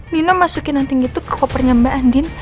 nino masukin anting itu ke kopernya mbak andin